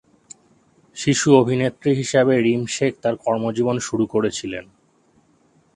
শিশু অভিনেত্রী হিসাবে রিম শেখ তার কর্মজীবন শুরু করেছিলেন।